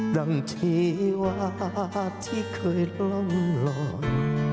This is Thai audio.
บางทีว่าที่เคยล้มหล่อน